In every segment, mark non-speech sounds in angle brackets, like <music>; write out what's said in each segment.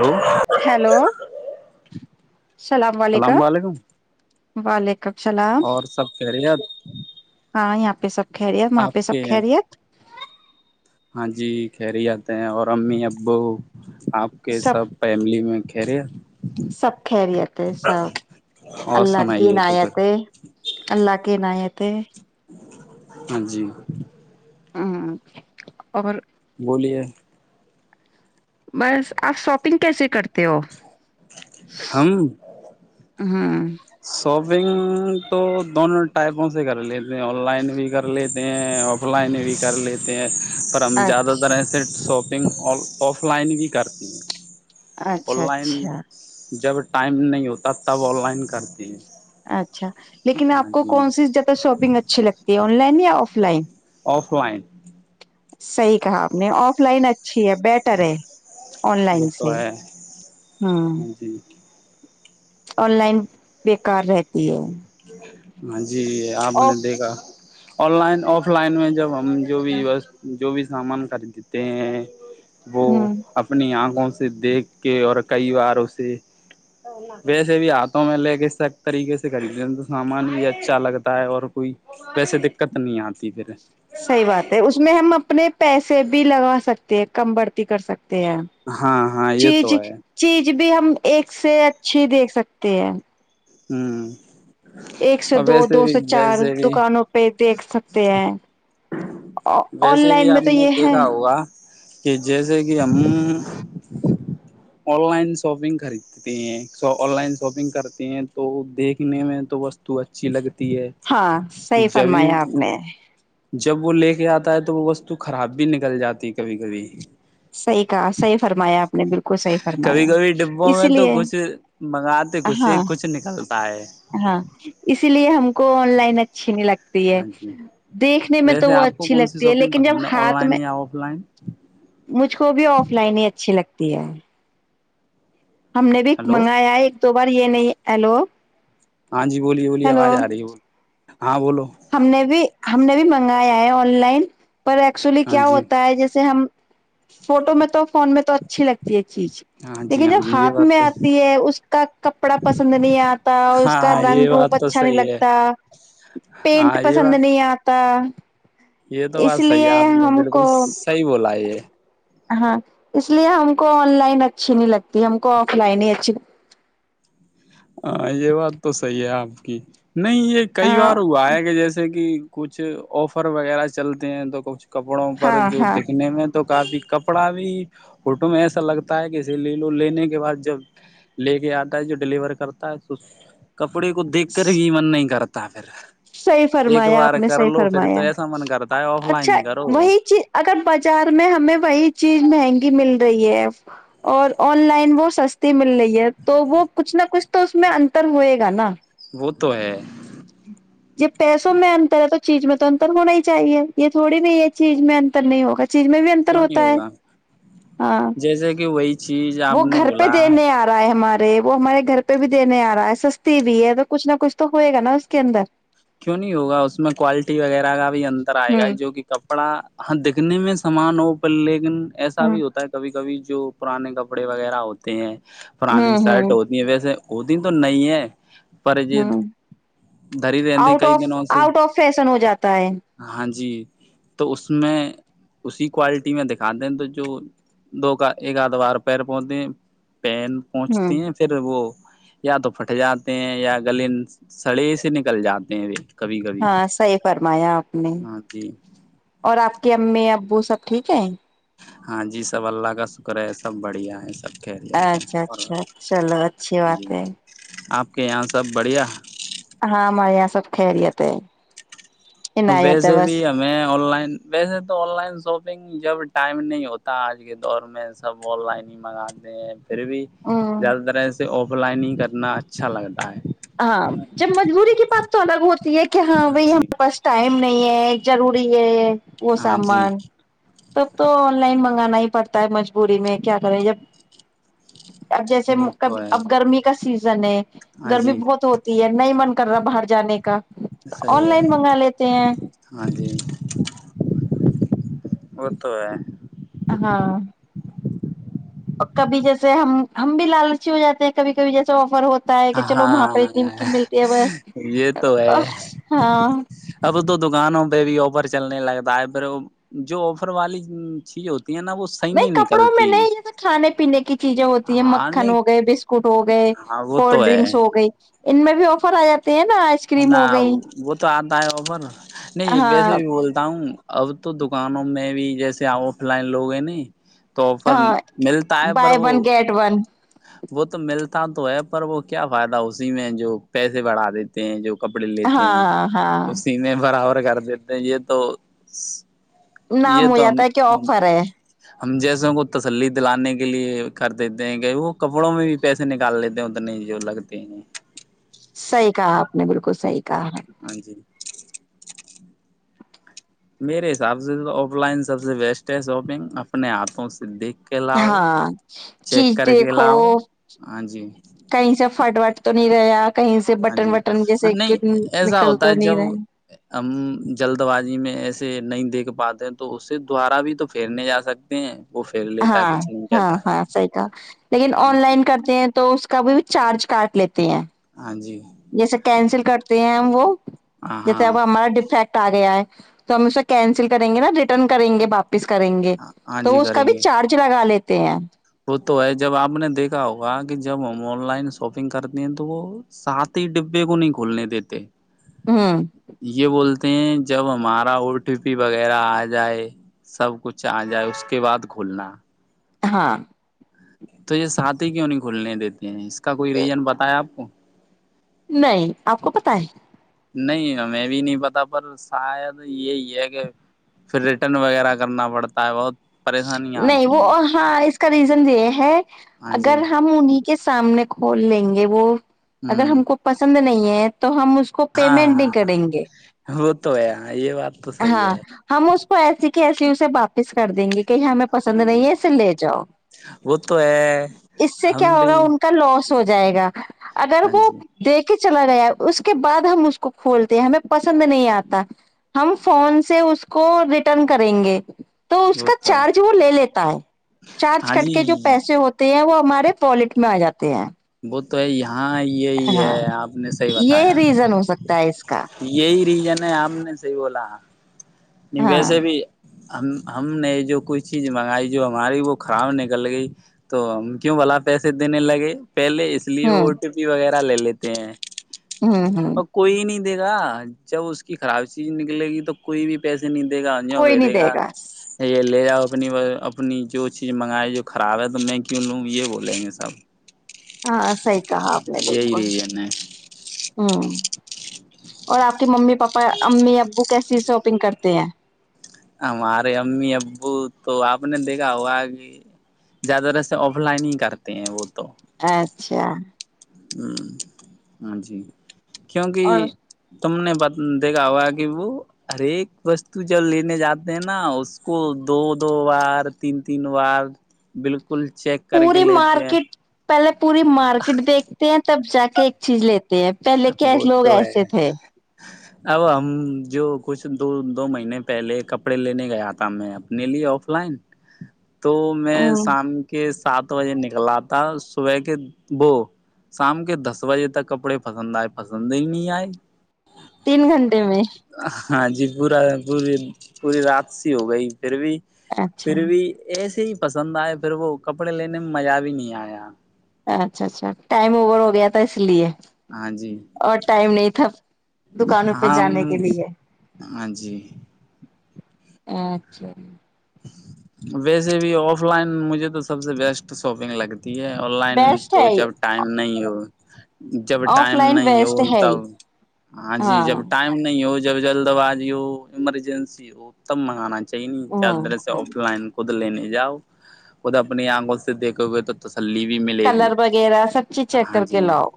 hello hello اللام علیکم والالک اور سب کہہ رہی ہے سک خھرییت ماں پے سب خھہ رہیت ہاں جی خہری ہی آاتتے ہیں اور امی ابو آپ کے سب فیملی میں خ رہے سب خیریت ہے سب اور اللہ کی سنائیے تو پھر عناایت ہے اللہ کی عناایت تے <inaudible> ہاں جی <inaudible> بولیے بس آپ شاپنگ کیسے کرتے ہو <inaudible> سو شاپنگ تو دونوں ٹائپوں سے کر لیتے ہیں آن لائن بھی کر لیتے ہیں آف لائن بھی کر لیتے ہیں پر ہم زیادہ اچھا تر ایس سوپ شٹنگ آ آف لائن بھی کرتی ہیں اچھا آن لائن اچھا جب ٹائم نہیں ہوتا تب آن لائن کر <inaudible> اچھا لیکن آ جی کون سی زیادہ شاپنگ اچھی لگتی ہے اور آن لائن یا آف لائن آف لائن صحیح کہا آپ نے آف لائن اچا اچ بیٹر ہے آن وہ لائن تو سے ہے ہاں ہوں جی آن لائن بےیکار رہتی پا <unintelligible> <inaudible> جی آپ نے دیکھا آن لائن آف لائن میں جب ہم ہم جو بھی بس جو بھی سامان خرید دیتے ہیں وہ ہمم اپنی آنکھوں سے دیکھ کے اور کئی بار اسے ویسے بھی ہاتھوں میں لے کے سخ طریقے سے ریب تو سامان بھی اچھا لگتا ہے اور کوئی ویسے دقت نہیں آتا صحیح بات ہے اس میں ہم اپنے پیسے بھی لگا سکتے ہیں کم بڑھتی کر سکتے ہاں ہاں یہ چیز تو ہے چیز بھی ہم ایک سے اچھی دیکھ سکتے ہیں ہوں ایک سے اور دو ویسے دو بھی سے چار ویسے بھی دکانوں پہ دیکھ سکتے ہیں آن ویسے بھی لائن میں آپ تو نے یہ ہے دیکھا ہوگا کہ جیسے کہ ہم آن لائن شاپنگ خریدتے ہیں آن لائن شاپنگ کرتے ہیں تو دیکھنے میں تو وستو اچھی لگتی ہے ہاں صحی جبھی فرمایا آپ نے جب وہ لے کے آتا ہے تو وہ وستو خراب بھی نکل جاتی کبھی کبھی صحیح کہا صحیح فرمایا آپ نے بالکل صحیح کبھی فرمایا کبھی ڈبوں میں اسی تو لیے کچھ منگاتے کچھ ہیں ہاں کچھ نکلتا ہے ہاں اسی لیے ہم کو آن لائن اچھی نہیں لگتی ہاں جی دیکھنے میں تو ویسے وہ آپ کو اچھی کون سی لگتی ہے شاپنگ لیکن جب پسند ہے آن ہاتھ لائن میں یا آف لائن مجھ کو بھی آف لائن ہی اچھی لگتی دیا ہم نے بھی ہلو منگایا ہے ایک دو بار یہ نہیں ہیلو ہاں جی بولیے بولیے ہیلو آواز آ رہی ہے ب ہم نے بھی ہم نے بھی منگایا ہے آن لائن پر ایکچولی ہاں کیا جی ہوتا ہے جیسے ہم فوٹو میں تو فون میں تو اچھی لگتی ہے چیز ہاں جی لیکن ہاں جب جی یہ ہاتھ بات میں تو آتی ہے اس کا کپڑا پسند نہیں آتا اس کا ہاں رنگ یہ روک بات تو اچھا نہیں صحیح ہے لگتا پینٹ ہاں یہ پسند بات نہیں آپ کتا یہ تو بات صحی ہے آپ نے بالکل کو صحیح بولا یہ ہاں اس لیے ہم کو آن لائن اچھی نہیں لگتی ہم کو آف لائن ہی اچھی ہاں یہ بات تو صحیح ہے آپ کی نہیں یہ کئی ہاں بار وہ آئے کہ جیسے کہ کچھ آفر وغیرہ چلتے ہیں تو کچھ کپڑوں پر ہاں جو ہاں دیکھنے میں کافی کپڑا بھی ہوٹو میں ایسا لگتا ہے کہے لے لو لینے کے بعد جب لے کے آتا ہے جو ڈیلیور کر کرتا ہے تو کپڑے کو دیکھ کر ہی من نہیں کرتا تمیر صحیح فرمایا آپ نے صحیح تو فرمایا ایسا من کرتا ہے آف لائن اچھا ہی کرو وہی چیز اگر بازار میں ہمیں وہی چیز مہنگی مل رہی ہے اور آن لائن وہ سستی مل رہی ہے تو وہ کچھ نہ کچھ تو اس میں انتر ہوئے گا نا وہ تو ہے جب پیسوں میں انتر ہے تو چیز میں تو انتر ہونا ہی چاہیے یہ تھوڑی نہیں یہ چیز میں انتر نہیں ہوگا چیز میں بھی انتر کیوں نہیں ہوتا ہے ہوگا ہاں جیسے کہ وہی چیز آپ وہ نے گھر پہ بولا دینے آ رہا ہے ہمارے ارے وہ ہمارے گھر پہ بھی دینے آ رہا ہے سستی بھی ہے تو کچھ نہ کچھ تو ہوئے گا نا اس کے اندر کیوں نہیں ہوگا اس میں کوالٹی وغیرہ کا بھی انتر آئے گا ہوں جو کہ کب پڑا ہاں دیکھنے میں سامان ہو پر لیکن ایسا ہ بھی ہوتا ہے کبھی کبھی جو پرانے کپڑے وغیرہ ہوتے ہیں پرانی ہ ہ سائٹ ہوتی ہے ویسے وہ دن تو نہیں ہے پ ج ہ د <inaudible> out of out of fashion ہو جاتا ہے ہاں جی تو اس میں اسی کوالٹی میں دکھاتے ہیں تو جو دو کا ایک آدوار پیر پودے ہیں پین پہنچتے ہوں ہیں پھر وہ یا تو پھٹ جاتے ہیں یا گل سڑی سے نکل کل جاتے ہیں و ہاں صحیح فرمایا آپ ہاں جی اور آپ کی امی ابو سب ٹھیک ہے ہاں جی سب اللہ کا شکر ہے سب بڑھیا ہے سب خیریت ہے اچھا اور اچھا چلو اچھی بات جی ہے آپ کے یہاں سب بڑھیا ہاں ہمارے یہاں سب خیریت ہے تو عنایت ہے ویسے بس بھی ہمیں آن لائن ویسے تو آن لائن شاپنگ جب ٹائم نہیں ہوتا آج کے دور میں سب آن لائن ہی منگاتے ہیں پھر بھی ہوں زیادہ تر ایسے آ لائنگ کرنا اچھا لگتا ہے ہاں جب مجبوری کی بات تو الگ ہوتی یہ کہ ہاں وہی ہمارے پاس ٹائم نہیں نہیں ہے ضروری ہے وہ ہاں جی سامان تب تو آن لائن منگانا ہی پڑتا ہے مجبوری میں کیا کرے جب اب جیسے وہ کب تو ہے اب گرمی کا سیزن جانے ہاں جی ہوتی ہے نہیں من کر رہا باہر جانے کا صحی آن ہے لائن منگا لیتے ہیں ہاں جی اتو ہے ہاں کبھی جیسے ہم ہم بھی لالچی ہو جاتے ہیں کبھی کبھی جیسے آفر ہوتے بتا ہے کہ چلو وہاں پرہ ہاں اتنی کی ملتی ہے بس یہ تو ہے بس ہاں اب دکانوں پہ بھی آفر چلنے لگتا ہے پھر جو آفر والی چیز ہوتی ہے نا وہ صحیح نہیں کپڑوں میں نکلتی نہیں جیسے کھانے پینے کی چیزیں ہوتی ہیں ہاں مکھن نہیں ہو گئے بسکٹ ہو گئے ہاں کوئی وہ کولڈ تو ڈرنکس ہے ہو گئی ان میں بھی آفر آیا نہ وہ تو آتا ہے ار نہیں ویسے ہاں بھی بولتا ہوں اب تو دکانوں میں بھی جیسے آف لائن لوگ ہیں تو آفر ہاں ملتا ہے بائی پر وہ ون گیٹ ون وہ تو ملتا تو ہے پر وہ کیا فائدہ اسی میں جو پیسے بڑھا دیتے ہیں جو کپڑے لیتے ہیں ہاں ہاں اسی میں برابر کر دیتے ہیں یہ تو نام یہ ہو تو ہم جاتا ہے کہ ہم آفر ہے ہم جیسوں کو تسلی دلانے کے لیے کر دیتے ہیں وہ کپڑوں میں بھی پیسے نکال لیتے ہیں اتنے جو لگتے ہیں صحیح کہا آپ نے بالکل صحیح کہا ہاں جی میرے حساب سے آف لائن سب سے بیسٹ ہے شاپنگ اپنے ہاتھوں سے دیکھ کے لاؤ ہاں چیک چیز کر کے دیکھو لاؤ ہاں جی کہیں سے فٹوٹ تو نہیں رہا کہیں سے ہاں جی بٹن وٹن ہاں جیسے نہیں کہ ایسا نکل ہوتا تو ہے نہیں جب رہے ہم جلد بازی میں ایسے نہیں دیکھ پاتے ہیں تو اس سے دوارا بھی تو پھیرنے جا سکتے ہیں وہ پھیر لیتا ہے ہاں کچھ نہیں ہاں کہتا ہے ہاں صحی کہ لیکن آن ہاں جی لائن کرتے ہیں تو اس کا بھی چارج کاٹ لیتے ہیں ہاں جی جیسے کینسل کرتے ہیں ہم وہ ہاں جیسے اب ہاں ہمارا ڈیفیکٹ آ گیا ہے تو ہم اس کو کینسل کریں گے نا ریٹرن کریں گے باپس کریں گے ہاں تو جی اس کا کریں بھی گے چارج لگا لیتے ت وہ تو ہے جب آپ نے دیکھا ہوگا کہ جب ہم آن لائن شاپنگ کرتے ہیں تو وہ سات ہی ڈبے کو نہیں کھولنے دیتے ہوں یہ بولتے جب ہمارا او ٹی پی وغیرہ آ جائے سب کچھ آ جائے اس کے بعد کھولنا ہاں تو یہ ساتھھی کیوں نہیں کھلنے دیتے ہیں اس کا کوئی ریزن بتایا آپ کو نہیں آپ کو پت ہے نہیں ہمیں بھی نہیں پتا پر شاید یہی ہے کہ پھر ریٹرن وغیرہ کرنا پڑتا ہے بہت پریشانیاں نہیں وہ آتی ہیں ہاں اس کا ریزن د یہ ہے ہاں جی اگر ہم انیں کے سامنے کھول لیں گے وہ اگر ہوں ہم کو پسند نہیں ید تو ہم اس کو پیمنٹ نہیں ہاں کریں گے وہ تو ہے یہ بات تو صحیح ہاں ہے ہم اس کو ایسی کیسیے اسے واپس کر دیں گے ہمیں پسند ہاں نہیں جی ہے اسے لے جاؤ وہ تو ہے اس سے ہم کیا ہوگا بھی ان کا لاس ہو جائے گا اگر ہاں وہ جی دیکھ چلا گیا اس کے بعد ہم اس کو کھولتے ہیں ہمیں پسند نہیں آتا ہم فون سے اس کو ریٹرن کریں گے تو اس وہ کا تو ہے چارج وہ لے لیتا ہے چارج ہاں کٹ جی کے جو پیسے ہوتے ہیں وہ ہمارے پالٹ میں آ جاتے ہیں وہ تو ہے یہاں یہی ہے ہاں آپ نے صحیح یہ بتایا ریزن ہو سکتا ہے اس کا یہی جنے آ ہم نے صحی بولا نو ہاں ویسے بھی ہم ہم نے جو کوئی چیز منگائی جو ہماری وہ خراب نکل گئی تو ہم کیوں بلاا پیسے دینے لگے پہلے اس لیے ہوں او ٹی پی وغیرہ لے لیتے ہیں ہوں ہوں اور کوئی نہیں دے گا جب اس کی خراب چیز نکلے گی تو کوئی بھی ندے گا ان ہو گ دے گا یہ یہ لے جاؤ اپنی اپنی جو چیز منگائے جو خراب ہے تو میں کیوں لوں یہ بولیں گے سب ہاں سی کہا اپ نے یہی بالکل ریزن ہے ہوں اور آپ کی ممی پاپا امی ابو کیسی شاپنگ کرتے ہیں ہمارے امی ابو تو آپ نے دیکھا ہوا کہ زیادہ تر سے آف لائن ہی کرتے ہیں وہ تو اچھا ہ ہاں جی کیونکہ اور تم نے دیکھا ہوا کہ وہ ہر ایک وستو جب لینے جاتے ہیں نا اس کو دو دو بار تین تین بار بالکل کل چیک کر کے پوری لیتے ہیں مارکیٹ پہلے پوری مارکیٹ دیکھتے ہیں تب جا کے ایک چیز لیتے پہلے کی وہ لوگ تو ہے ایسے تھے اب ہم جو کچھ دو دو مہینے پہلے کپڑے لینے گیا تھا میں اپنے لیے آف لائن تو میں ہ شام کے سات بجے نکلا تھا صبح کے وہ شام کے دس بجے تک کپڑے پ پسند آئے پسند ہی نہیں آئے تین گھنٹے د میں ہاں جی پورا پوری پوری رات سی ہو گئی پھر بھی اچھا پھر بھی ایسے ہی پسند آئے پھر وہ کپڑے لینے میں مزہ بھی نہیں آیا اچھا اچھا ٹائم اوور ہو گیا تھا اس لیے ہاں جی اور ٹائم نہیں تھا دکانوں پہ ہاں جانے کے لیے ہاں جی اچھا ویسے بھی آف لائن مجھے تو سب سے بیسٹ شاپنگ لگتی آن لائن بیسٹ تو ہے جب ٹائم نہیں ہو ب <unintelligible> جب آف ٹائم لائن نہیں ہو بیسٹ ہے ہی تب ہاں جی جب ٹائم نہیں ہو جب جلد آبازی ہو ایمرجنسی ہو تب منگانا چاہیے د ہ سے آف لائن کو لینے جاؤ خود اپنی آنگوں سے دیکھے ہوئے تو ت کلر وغیرہ سب چیز چیک ہاں کر کے جی لاؤ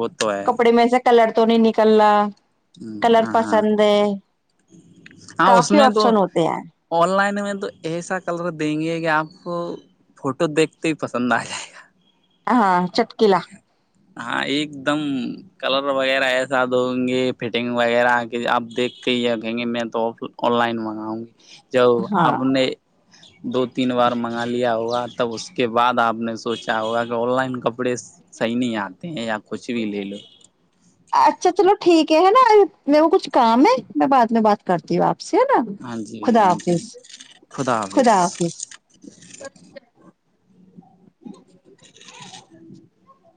وہ تو کپڑے میں سے کلر تو نہیں نکلنا ہ ہاں ہاں ہاں اس کافی میں تو آپشن ہوتے ہیں آن لائن میں تو ایسا کلر دیں گے کہ آپ آ کو فوٹو دیکھتے ہی پسند آ جائے گا ہ ہاں چٹکلا ہاں ایک دم کلر وغیرہ ایسا دوں گے فٹنگ وغیرہ کہ آپ دیکھتے ہی کہیں گے میں تو آن لائن منگاؤں گی تو ہاں اپ نے دو تین بار منگا لیا ہوا تب اس کے بعد آپ نے سوچا ہوگا کہ آن لائن کپڑا کپڑے صحیح نہیں آتے ہیںیا کچ و ل ل اچھا چلو ٹھیک ہے نا م کچھ کام ہے میں بعد میں بات کرتی ہوں آپ سے ہے نا ہاں جی خدا ہاں حافظ جی خدا حافظ <inaudible>